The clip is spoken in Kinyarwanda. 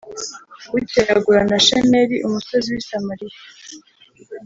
Bukeye agura na shemeri umusozi w i samariya